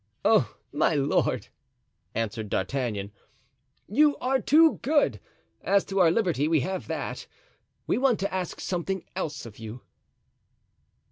"Oh, my lord!" answered D'Artagnan, "you are too good; as to our liberty, we have that; we want to ask something else of you."